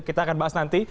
kita akan bahas nanti